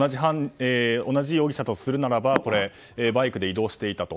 同じ容疑者とするならばバイクで移動していたと。